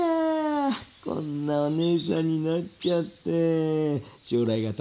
こんなお姉さんになっちゃって将来が楽しみ。